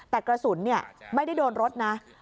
แต่กระสุนไม่ได้โดนรถนะ